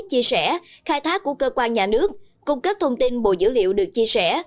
chia sẻ khai thác của cơ quan nhà nước cung cấp thông tin bộ dữ liệu được chia sẻ